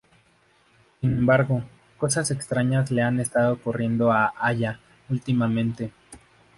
Sin embargo, cosas extrañas le han estado ocurriendo a Aya últimamente.